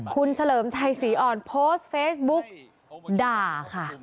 คุณเฉลิมชัยศรีอ่อนโพสต์เฟซบุ๊กด่าค่ะ